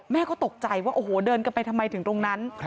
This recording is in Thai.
แม่ก็ตกใจว่าโอ้โหเดินกันไปทำไมถึงตรงนั้น